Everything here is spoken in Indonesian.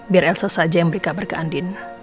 biar elsa saja yang beri kabar ke andien